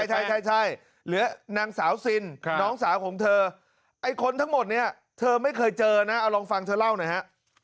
ใช่เหลือนางสาวซินน้องสาวของเธอไอ้คนทั้งหมดเนี่ยเธอไม่เคยเจอนะเอาลองฟังเธอเล่าหน่อยฮะ